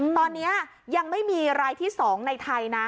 ตอนนี้ยังไม่มีรายที่๒ในไทยนะ